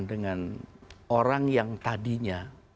dengan orang yang tadinya